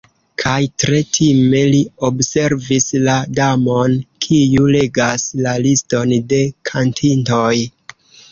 Kaj tre time li observis la Damon, kiu legas la liston de kantintoj.